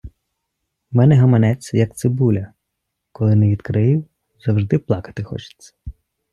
В мене гаманець, як цибуля - коли не відкрию, завжди плакати хочеться.